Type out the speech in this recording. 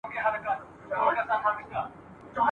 نالوستي ښځي نه سي کولای خپل ماشومان ښه وروزي.